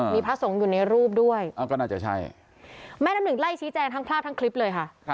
มีพระสงฆ์อยู่ในรูปด้วยก็น่าจะใช่แม่น้ำหนึ่งไล่ชี้แจงทั้งภาพทั้งคลิปเลยค่ะ